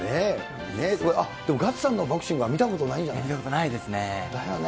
あっ、でもガッツさんのボクシングは見たことないんじゃないの？だよね。